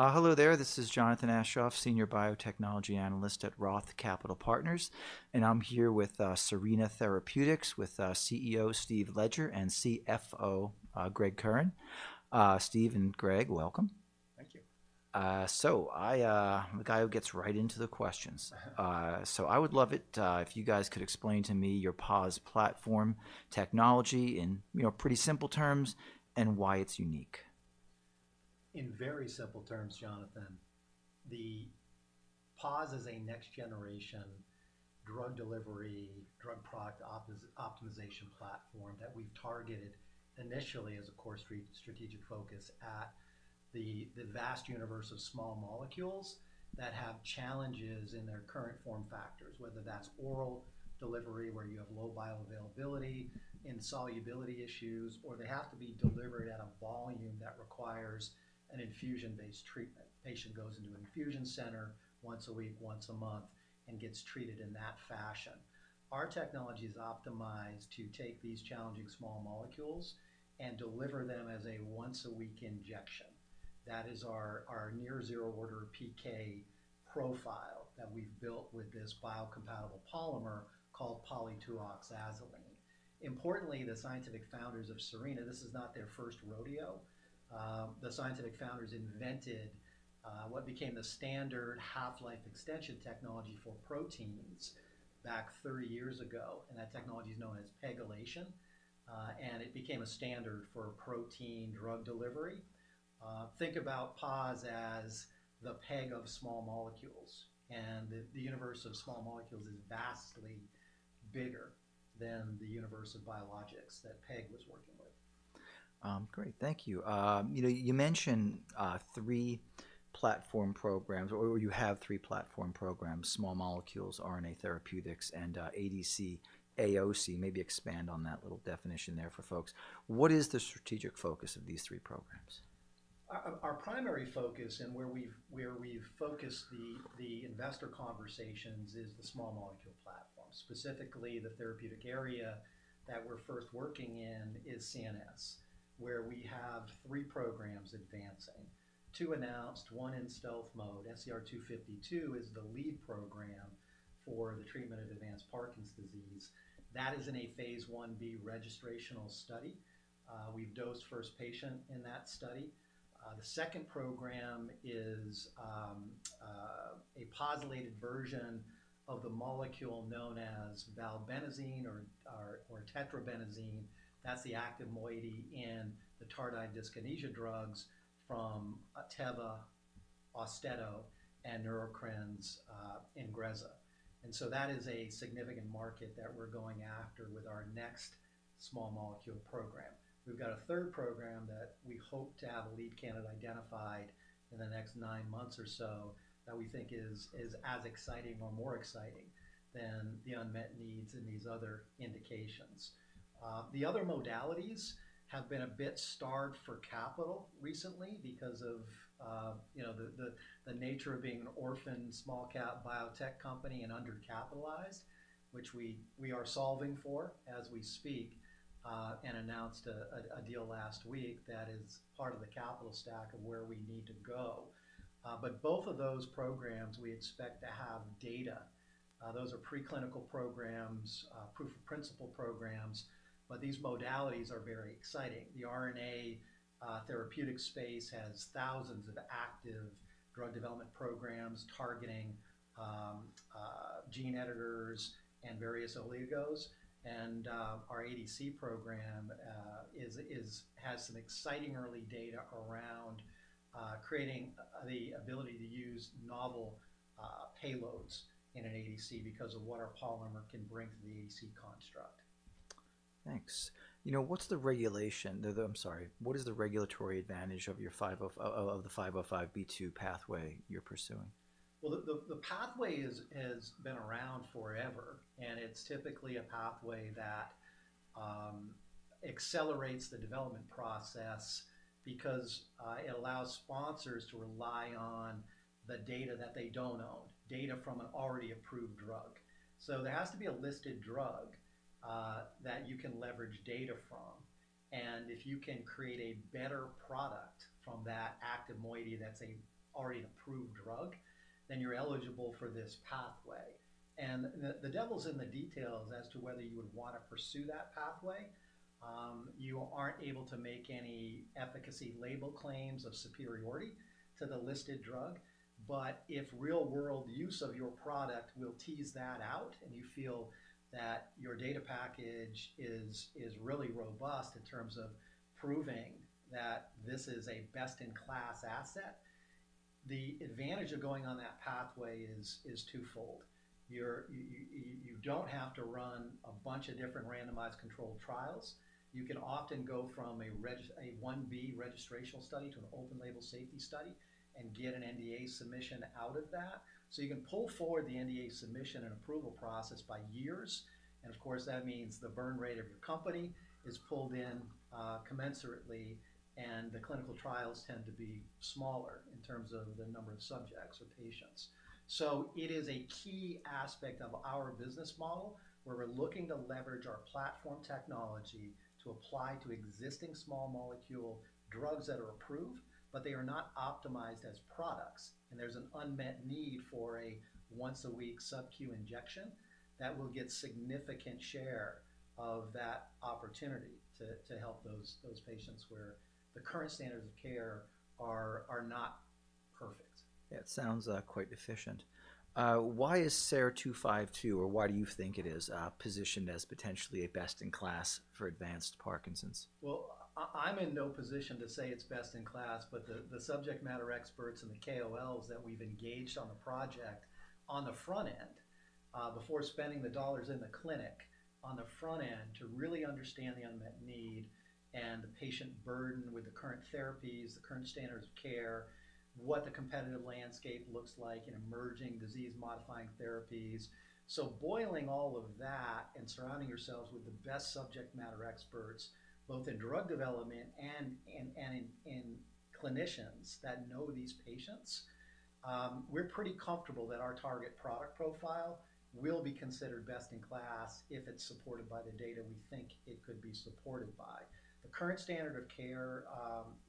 Hello there. This is Jonathan Aschoff, senior biotechnology analyst at Roth Capital Partners, and I'm here with Serina Therapeutics, with CEO Steve Ledger and CFO Gregory Curhan. Steve and Greg, welcome. Thank you. I'm a guy who gets right into the questions. I would love it if you guys could explain to me your POZ platform technology in pretty simple terms and why it's unique. In very simple terms, Jonathan, the POZ is a next generation drug delivery, drug product optimization platform that we've targeted initially as a core strategic focus at the vast universe of small molecules that have challenges in their current form factors, whether that's oral delivery, where you have low bioavailability and solubility issues, or they have to be delivered at a volume that requires an infusion-based treatment. Patient goes into infusion center once a week, once a month, and gets treated in that fashion. Our technology is optimized to take these challenging small molecules and deliver them as a once-a-week injection. That is our near zero order PK profile that we've built with this biocompatible polymer called poly(2-oxazoline). Importantly, the scientific founders of Serina, this is not their first rodeo. The scientific founders invented what became the standard half-life extension technology for proteins back 30 years ago. That technology is known as PEGylation, and it became a standard for protein drug delivery. Think about POZ as the PEG of small molecules. The universe of small molecules is vastly bigger than the universe of biologics that PEG was working with. Great. Thank you. You mentioned three platform programs, or you have three platform programs, small molecules, RNA therapeutics, and ADC/AOC. Expand on that little definition there for folks. What is the strategic focus of these three programs? Our primary focus and where we've focused the investor conversations is the small molecule platform. Specifically, the therapeutic area that we're first working in is CNS, where we have three programs advancing, two announced, one in stealth mode. SER-252 is the lead program for the treatment of advanced Parkinson's disease. That is in a phase I-B registrational study. We've dosed first patient in that study. The second program is a POZylated version of the molecule known as valbenazine or tetrabenazine. That's the active moiety in the tardive dyskinesia drugs from Teva, AUSTEDO, and Neurocrine's INGREZZA. That is a significant market that we're going after with our next small molecule program. We've got a third program that we hope to have a lead candidate identified in the next nine months or so that we think is as exciting or more exciting than the unmet needs in these other indications. The other modalities have been a bit starved for capital recently because of the nature of being an orphan small-cap biotech company and under-capitalized, which we are solving for as we speak, and announced a deal last week that is part of the capital stack of where we need to go. Both of those programs, we expect to have data. Those are preclinical programs, proof of principle programs, but these modalities are very exciting. The RNA therapeutic space has thousands of active drug development programs targeting gene editors and various oligos. Our ADC program has some exciting early data around creating the ability to use novel payloads in an ADC because of what our polymer can bring to the ADC construct. Thanks. What is the regulatory advantage of the 505(b)(2) pathway you're pursuing? The pathway has been around forever, and it's typically a pathway that accelerates the development process because it allows sponsors to rely on the data that they don't own, data from an already approved drug. There has to be a listed drug that you can leverage data from, and if you can create a better product from that active moiety that's an already approved drug, then you're eligible for this pathway. The devil's in the details as to whether you would want to pursue that pathway. You aren't able to make any efficacy label claims of superiority to the listed drug. If real-world use of your product will tease that out and you feel that your data package is really robust in terms of proving that this is a best-in-class asset, the advantage of going on that pathway is twofold. You don't have to run a bunch of different randomized controlled trials. You can often go from a phase I-B registrational study to an open label safety study and get an NDA submission out of that. You can pull forward the NDA submission and approval process by years, and of course, that means the burn rate of your company is pulled in commensurately, and the clinical trials tend to be smaller in terms of the number of subjects or patients. It is a key aspect of our business model, where we're looking to leverage our POZ platform technology to apply to existing small molecule drugs that are approved, but they are not optimized as products, and there's an unmet need for a once-a-week subQ injection that will get significant share of that opportunity to help those patients where the current standards of care are not Perfect. Yeah, it sounds quite efficient. Why is SER-252, or why do you think it is positioned as potentially a best-in-class for advanced Parkinson's? Well, I'm in no position to say it's best-in-class, but the subject matter experts and the KOLs that we've engaged on the project on the front end, before spending the dollars in the clinic, on the front end to really understand the unmet need and the patient burden with the current therapies, the current standards of care, what the competitive landscape looks like in emerging disease-modifying therapies. Boiling all of that and surrounding ourselves with the best subject matter experts, both in drug development and in clinicians that know these patients, we're pretty comfortable that our target product profile will be considered best-in-class if it's supported by the data we think it could be supported by. The current standard of care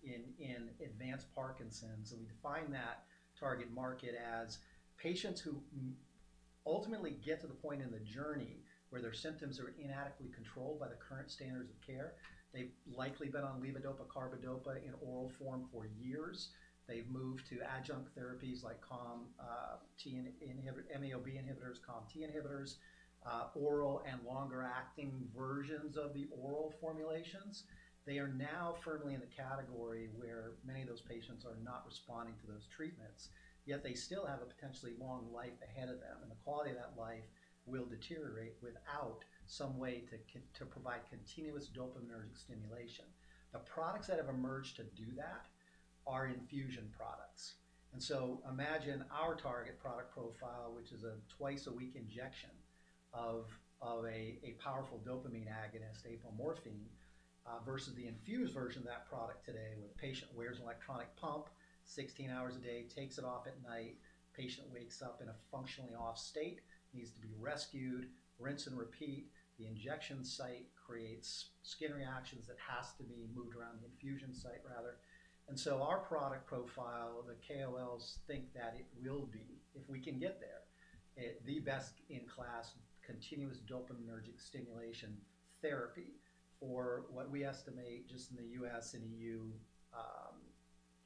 in advanced Parkinson's, we define that target market as patients who ultimately get to the point in the journey where their symptoms are inadequately controlled by the current standards of care. They've likely been on levodopa carbidopa in oral form for years. They've moved to adjunct therapies like COMT inhibitors, MAO-B inhibitors, COMT inhibitors, oral and longer-acting versions of the oral formulations. They are now firmly in the category where many of those patients are not responding to those treatments, yet they still have a potentially long life ahead of them, and the quality of that life will deteriorate without some way to provide continuous dopaminergic stimulation. The products that have emerged to do that are infusion products. Imagine our target product profile, which is a twice-a-week injection of a powerful dopamine agonist, apomorphine, versus the infused version of that product today, where the patient wears an electronic pump 16 hours a day, takes it off at night, patient wakes up in a functionally off state, needs to be rescued, rinse and repeat. The injection site creates skin reactions that has to be moved around the infusion site, rather. Our product profile, the KOLs think that it will be, if we can get there, the best-in-class continuous dopaminergic stimulation therapy for what we estimate just in the U.S. and EU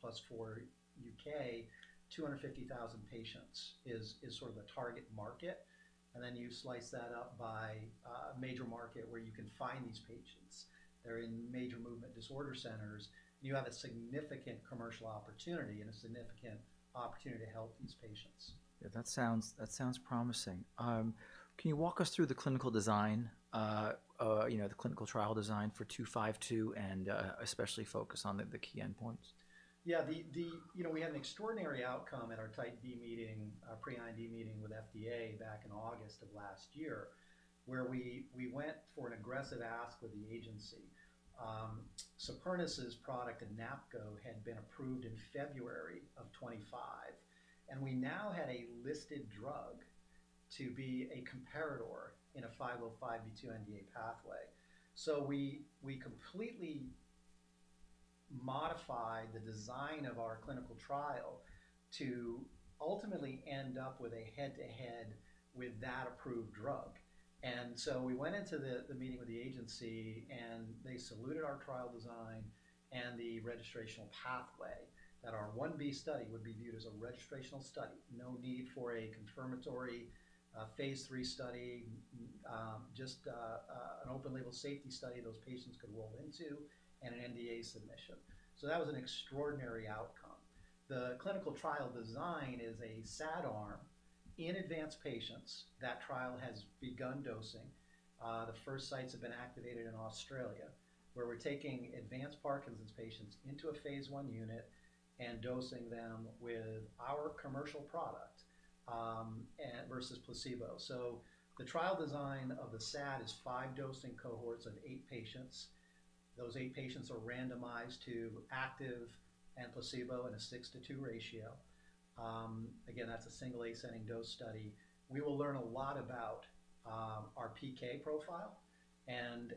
plus for U.K., 250,000 patients is sort of the target market. You slice that up by major market where you can find these patients. They're in major movement disorder centers, you have a significant commercial opportunity and a significant opportunity to help these patients. That sounds promising. Can you walk us through the clinical design, the clinical trial design for SER-252 and especially focus on the key endpoints? We had an extraordinary outcome at our Type B meeting, pre-IND meeting with FDA back in August of 2025, where we went for an aggressive ask with the agency. Supernus' product, APOKYN, had been approved in February of 2025, and we now had a listed drug to be a comparator in a 505(b)(2) NDA pathway. We completely modified the design of our clinical trial to ultimately end up with a head-to-head with that approved drug. We went into the meeting with the agency, and they saluted our trial design and the registrational pathway that our one study would be viewed as a registrational study. No need for a confirmatory phase III study, just an open label safety study those patients could roll into and an NDA submission. That was an extraordinary outcome. The clinical trial design is a SAD arm in advanced patients. That trial has begun dosing. The first sites have been activated in Australia, where we're taking advanced Parkinson's patients into a phase I unit and dosing them with our commercial product versus placebo. The trial design of the SAD is five dosing cohorts of eight patients. Those eight patients are randomized to active and placebo in a six to two ratio. Again, that's a single ascending dose study. We will learn a lot about our PK profile and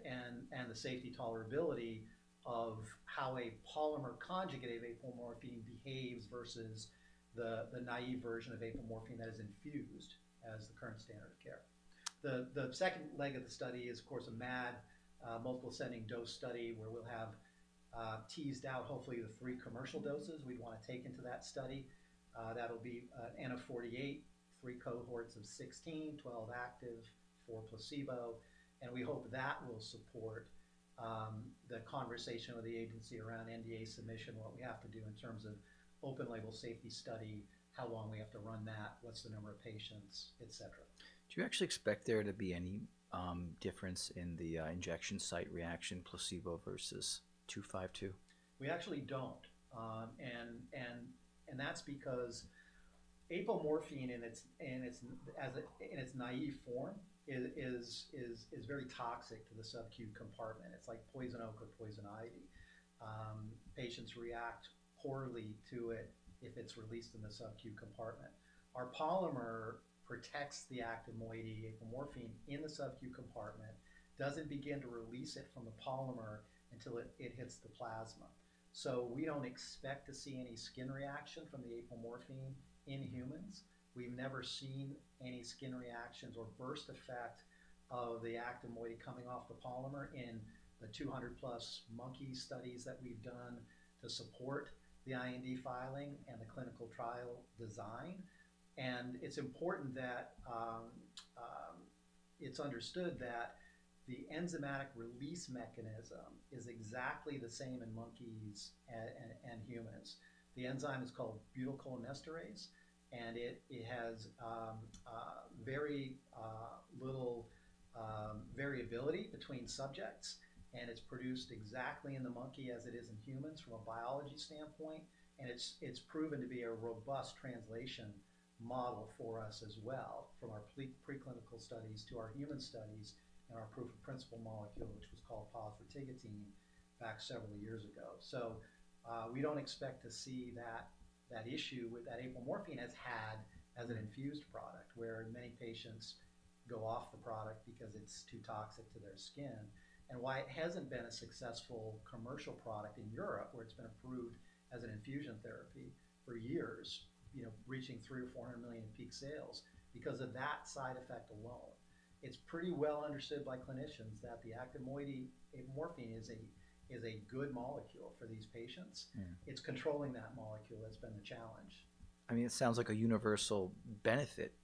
the safety tolerability of how a polymer conjugate of apomorphine behaves versus the naive version of apomorphine that is infused as the current standard of care. The second leg of the study is, of course, a MAD, multiple ascending dose study, where we'll have teased out hopefully the three commercial doses we want to take into that study. That'll be an N of 48, three cohorts of 16, 12 active, four placebo, and we hope that will support the conversation with the agency around NDA submission, what we have to do in terms of open label safety study, how long we have to run that, what's the number of patients, et cetera. Do you actually expect there to be any difference in the injection site reaction, placebo versus 252? We actually don't. That's because apomorphine in its naive form is very toxic to the subQ compartment. It's like poison oak or poison ivy. Patients react poorly to it if it's released in the subQ compartment. Our polymer protects the active moiety apomorphine in the subQ compartment, doesn't begin to release it from the polymer until it hits the plasma. We don't expect to see any skin reaction from the apomorphine in humans. We've never seen any skin reactions or burst effect of the active moiety coming off the polymer in the 200 plus monkey studies that we've done to support the IND filing and the clinical trial design. It's important that it's understood that the enzymatic release mechanism is exactly the same in monkeys and humans. The enzyme is called butyrylcholinesterase. It has very little variability between subjects. It's produced exactly in the monkey as it is in humans from a biology standpoint. It's proven to be a robust translation model for us as well from our preclinical studies to our human studies and our proof of principle molecule, which was called POZ-rotigotine back several years ago. We don't expect to see that issue that apomorphine has had as an infused product where many patients go off the product because it's too toxic to their skin. Why it hasn't been a successful commercial product in Europe where it's been approved as an infusion therapy for years, reaching $300 million or $400 million peak sales because of that side effect alone. It's pretty well understood by clinicians that the active moiety apomorphine is a good molecule for these patients. It's controlling that molecule that's been the challenge. It sounds like a universal benefit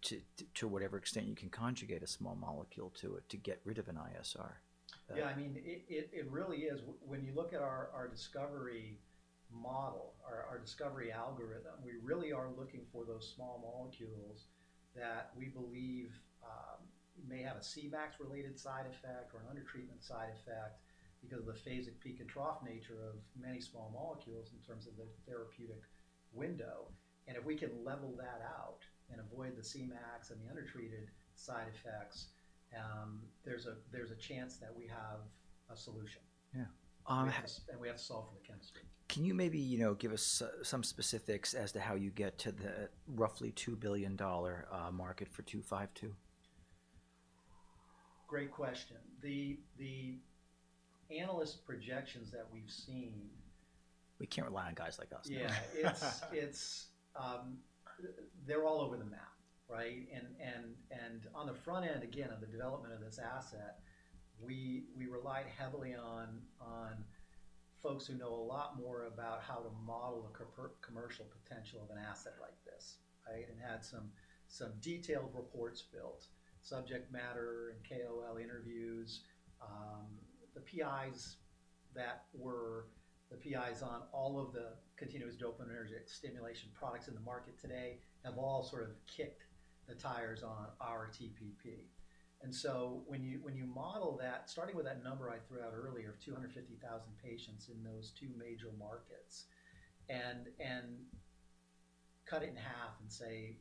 to whatever extent you can conjugate a small molecule to it to get rid of an ISR. Yeah. It really is. When you look at our discovery model or our discovery algorithm, we really are looking for those small molecules that we believe may have a Cmax related side effect or an under-treatment side effect because of the phasic peak and trough nature of many small molecules in terms of the therapeutic window. If we can level that out and avoid the Cmax and the under-treated side effects, there's a chance that we have a solution. Yeah. We have to solve for the chemistry. Can you maybe give us some specifics as to how you get to the roughly $2 billion market for 252? Great question. The analyst projections that we've seen. We can't rely on guys like us. Yeah. They're all over the map, right? On the front end, again, of the development of this asset, we relied heavily on folks who know a lot more about how to model the commercial potential of an asset like this, right? Had some detailed reports built, subject matter and KOL interviews. The PIs that were the PIs on all of the continuous dopamine stimulation products in the market today have all sort of kicked the tires on our TPP. When you model that, starting with that number I threw out earlier of 250,000 patients in those two major markets, and cut it in half and say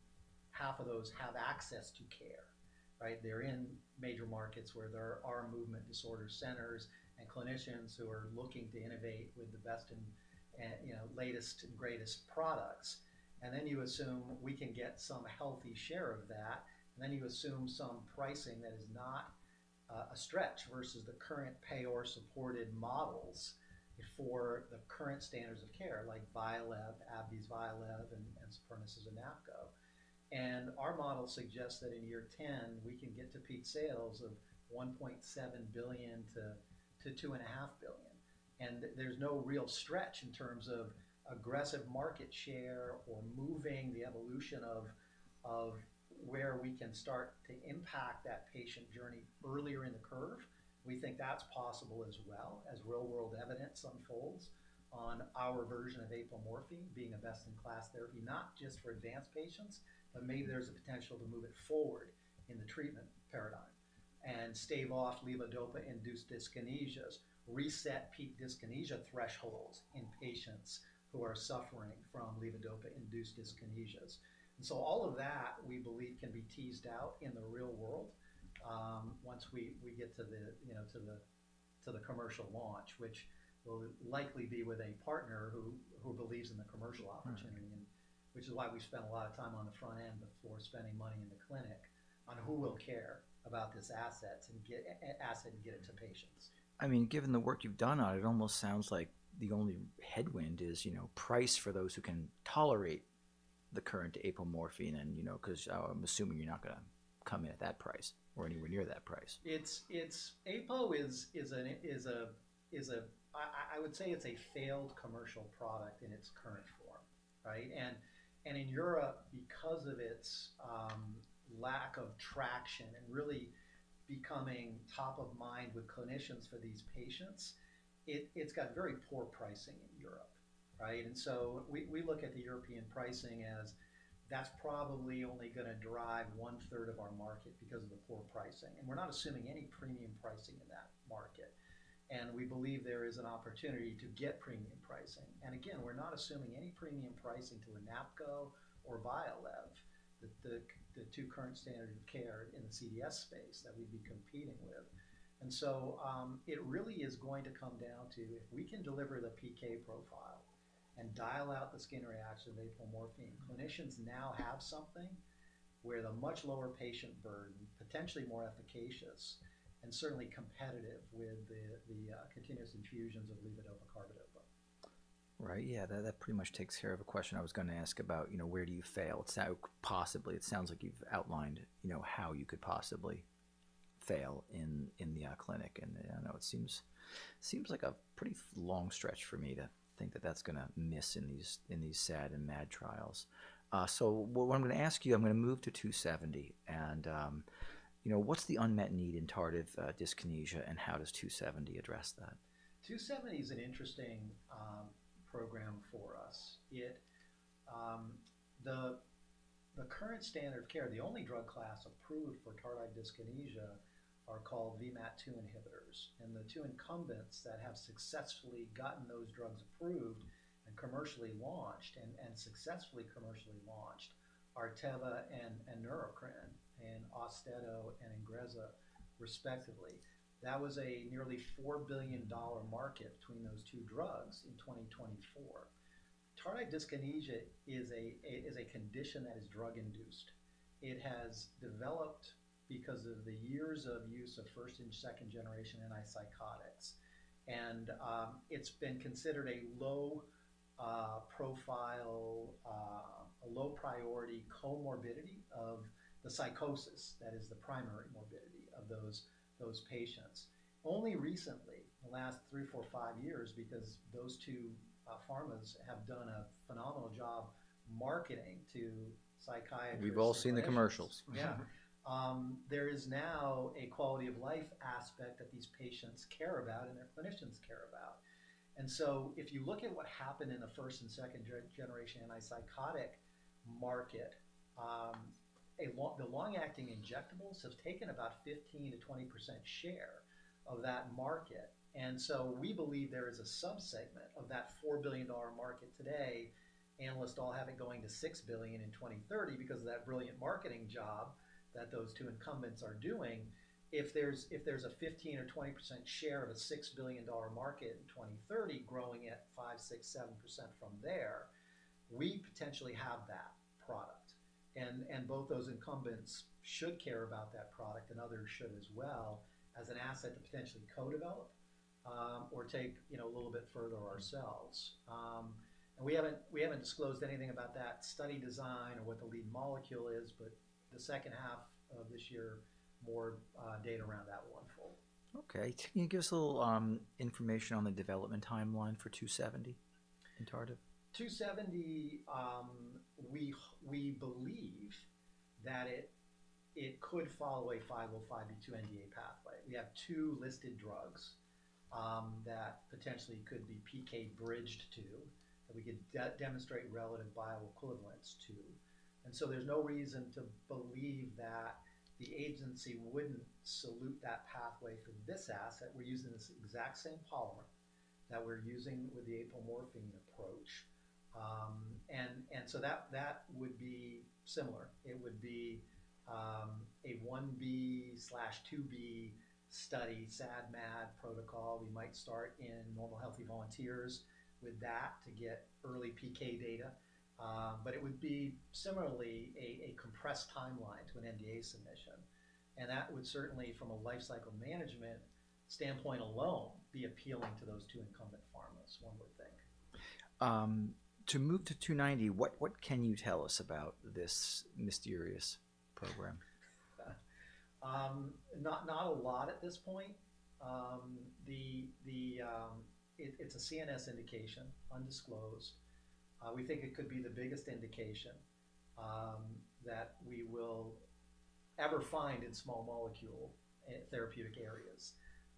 half of those have access to care, right? They're in major markets where there are movement disorder centers and clinicians who are looking to innovate with the best and latest and greatest products. You assume we can get some healthy share of that, and then you assume some pricing that is not a stretch versus the current payor supported models for the current standards of care like VYALEV, AbbVie's VYALEV, and Supernus' ONAPGO. Our model suggests that in year 10, we can get to peak sales of $1.7 billion-$2.5 billion. There's no real stretch in terms of aggressive market share or moving the evolution of where we can start to impact that patient journey earlier in the curve. We think that's possible as well as real-world evidence unfolds on our version of apomorphine being a best-in-class therapy, not just for advanced patients, but maybe there's a potential to move it forward in the treatment paradigm and stave off levodopa-induced dyskinesias, reset peak dyskinesia thresholds in patients who are suffering from levodopa-induced dyskinesias. All of that, we believe, can be teased out in the real world once we get to the commercial launch, which will likely be with a partner who believes in the commercial opportunity. All right. Which is why we spent a lot of time on the front end before spending money in the clinic on who will care about this asset and get it to patients. Given the work you've done on it almost sounds like the only headwind is price for those who can tolerate the current apomorphine and because I'm assuming you're not going to come in at that price or anywhere near that price. I would say it's a failed commercial product in its current form, right? In Europe, because of its lack of traction and really becoming top of mind with clinicians for these patients, it's got very poor pricing in Europe, right? We look at the European pricing as that's probably only going to drive one third of our market because of the poor pricing. We're not assuming any premium pricing in that market. We believe there is an opportunity to get premium pricing. Again, we're not assuming any premium pricing to Anapco or VYALEV, the two current standard of care in the CDS space that we'd be competing with. It really is going to come down to if we can deliver the PK profile and dial out the skin reaction of apomorphine, clinicians now have something where the much lower patient burden, potentially more efficacious, and certainly competitive with the continuous infusions of levodopa carbidopa. Right. Yeah. That pretty much takes care of a question I was going to ask about, where do you fail? It sounds like you've outlined how you could possibly fail in the clinic, and I know it seems like a pretty long stretch for me to think that that's going to miss in these SAD and MAD trials. What I'm going to ask you, I'm going to move to SER-270, and what's the unmet need in tardive dyskinesia, and how does SER-270 address that? 270 is an interesting program for us. The current standard of care, the only drug class approved for tardive dyskinesia are called VMAT2 inhibitors, and the two incumbents that have successfully gotten those drugs approved and commercially launched, and successfully commercially launched, are Teva and Neurocrine, and AUSTEDO and INGREZZA respectively. That was a nearly $4 billion market between those two drugs in 2024. Tardive dyskinesia is a condition that is drug-induced. It has developed because of the years of use of first and second-generation antipsychotics, and it's been considered a low profile, a low priority comorbidity of the psychosis that is the primary morbidity of those patients. Only recently, in the last three, four, five years, because those two pharmas have done a phenomenal job marketing to psychiatrists and clinicians. We've all seen the commercials. Yeah. There is now a quality-of-life aspect that these patients care about and their clinicians care about. If you look at what happened in the first and second-generation antipsychotic market, the long-acting injectables have taken about 15%-20% share of that market. We believe there is a sub-segment of that $4 billion market today, analysts all have it going to $6 billion in 2030 because of that brilliant marketing job that those two incumbents are doing. If there's a 15% or 20% share of a $6 billion market in 2030 growing at 5%, 6%, 7% from there, we potentially have that product, and both those incumbents should care about that product, and others should as well, as an asset to potentially co-develop or take a little bit further ourselves. We haven't disclosed anything about that study design or what the lead molecule is, but the second half of this year, more data around that will unfold. Okay. Can you give us a little information on the development timeline for SER-270 in tardive? SER-270, we believe that it could follow a 505(b)(2) NDA pathway. We have two listed drugs that potentially could be PK bridged to, that we could demonstrate relative bioequivalence to. There's no reason to believe that the agency wouldn't salute that pathway for this asset. We're using this exact same polymer that we're using with the apomorphine approach. That would be similar. It would be a phase I-B/II-B study, SAD/MAD protocol. We might start in normal healthy volunteers with that to get early PK data. It would be similarly a compressed timeline to an NDA submission, and that would certainly, from a lifecycle management standpoint alone, be appealing to those two incumbent pharmas, one would think. To move to SER-290, what can you tell us about this mysterious program? Not a lot at this point. It's a CNS indication, undisclosed. We think it could be the biggest indication that we will ever find in small molecule therapeutic areas.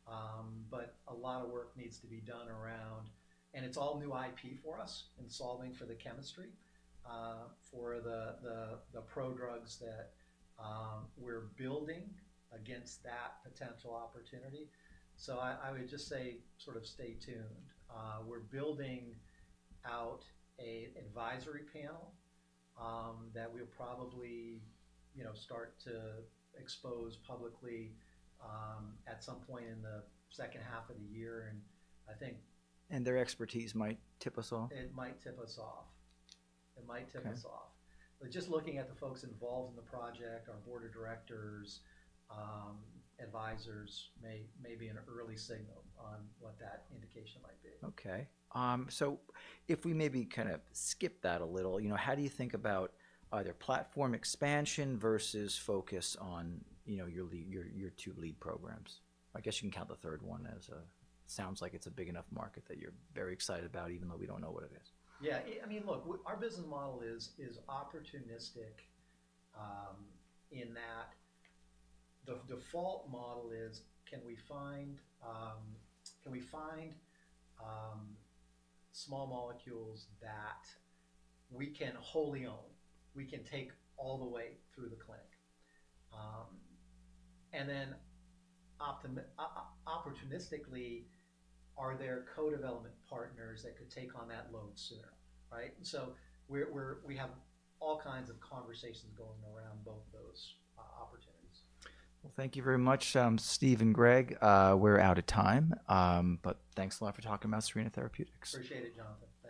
A lot of work needs to be done around, and it's all new IP for us in solving for the chemistry for the prodrugs that we're building against that potential opportunity. I would just say stay tuned. We're building out an advisory panel that we'll probably start to expose publicly at some point in the second half of the year. Their expertise might tip us off? It might tip us off. Okay. Just looking at the folks involved in the project, our board of directors, advisors, may be an early signal on what that indication might be. If we maybe skip that a little, how do you think about either platform expansion versus focus on your two lead programs? I guess you can count the third one. Sounds like it's a big enough market that you're very excited about even though we don't know what it is. Look, our business model is opportunistic, in that the default model is, can we find small molecules that we can wholly own, we can take all the way through the clinic. Opportunistically, are there co-development partners that could take on that load sooner, right? We have all kinds of conversations going around both those opportunities. Thank you very much, Steve and Greg. We're out of time. Thanks a lot for talking about Serina Therapeutics. Appreciate it, Jonathan.